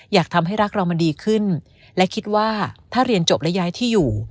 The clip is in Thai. อยากทำให้รักเรามันดีขึ้นและคิดว่าถ้าเรียนจบและย้ายที่อยู่